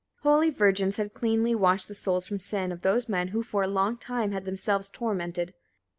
73. Holy virgins had cleanly washed the souls from sin of those men, who for a long time had themselves tormented.